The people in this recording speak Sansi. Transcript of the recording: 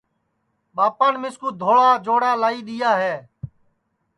ٻاپان مِسکُو دھوݪا جوڑا لائی دؔیا ہے